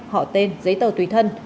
họ tên giấy tờ tùy thân